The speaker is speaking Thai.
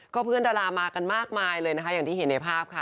เพื่อนดารามากันมากมายเลยนะคะอย่างที่เห็นในภาพค่ะ